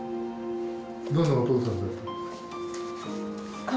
どんなお父さんだったんですか？